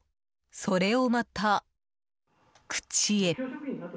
それをまた口へ。